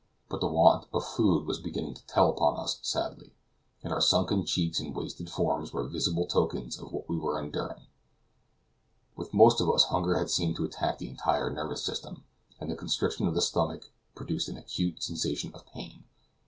But the want of food was beginning to tell upon us sadly, and our sunken cheeks and wasted forms were visible tokens of what we were enduring. With most of us hunger seemed to attack the entire nervous system, and the constriction of the stomach produced an acute sensation of pain.